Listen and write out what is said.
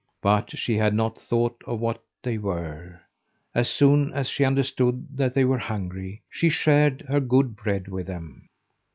But she had not thought of what they were. As soon as she understood that they were hungry, she shared her good bread with them.